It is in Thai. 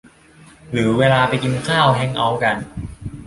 หรือเวลาไปกินข้าว แฮงก์เอาต์กัน